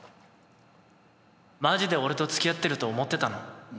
「マジで俺と付き合ってると思ってたの？」